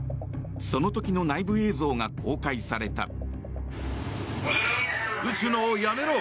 その時の内部映像が公開された。